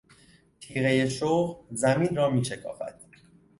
تیغهی شخم، زمین را میشکافد.